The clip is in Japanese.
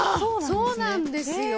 そうなんですね。